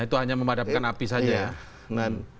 itu hanya memadamkan api saja ya